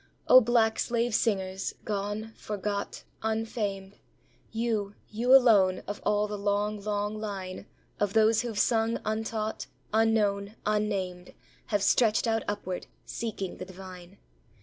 O black slave singers, gone, forgot, unfamed, You you alone, of all the long, long line Of those who've sung untaught, unknown, unnamed, Have stretched out upward, seeking the divine.